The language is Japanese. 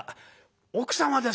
「奥様ですか？